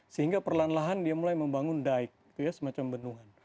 sehingga perlahan lahan dia mulai membangun daik semacam benungan